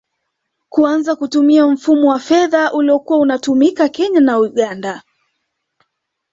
Kuanza kutumia mfumo wa fedha uliokuwa unatumika Kenya na Uganda